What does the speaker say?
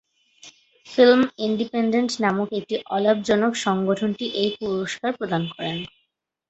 Film Independent নামক একটি অলাভজনক সংগঠনটি এই পুরস্কার প্রদান করে।